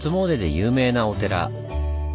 有名なお寺。